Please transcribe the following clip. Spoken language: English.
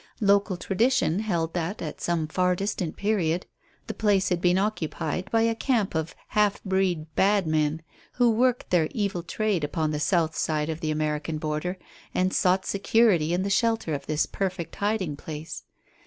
Local tradition held that, at some far distant period, the place had been occupied by a camp of half breed "bad men" who worked their evil trade upon the south side of the American border, and sought security in the shelter of this perfect hiding place.